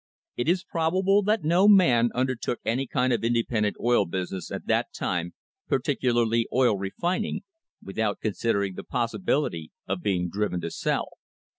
It is probable that no man undertook any kind of independent oil business at that time, particularly oil refin ing, without considering the possibility of being driven to sell.